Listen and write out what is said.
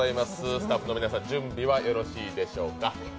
スタッフの皆さん準備はよろしいでしょうか。